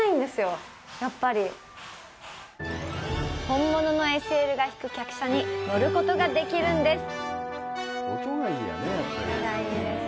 本物のＳＬが引く客車に乗ることができるんです。